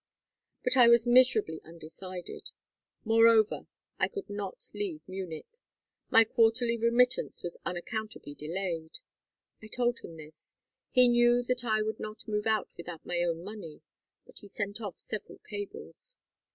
"But I was miserably undecided. Moreover, I could not leave Munich. My quarterly remittance was unaccountably delayed. I told him this. He knew that I would not move without my own money, but he sent off several cables.